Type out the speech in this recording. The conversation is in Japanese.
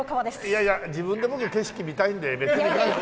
いやいや自分で僕景色見たいんで別にガイド。